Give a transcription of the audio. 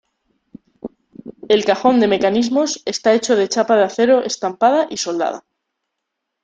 El cajón de mecanismos está hecho de chapa de acero estampada y soldada.